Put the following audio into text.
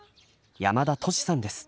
山田としさんです。